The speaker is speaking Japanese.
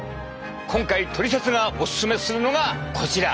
今回「トリセツ」がオススメするのがこちら！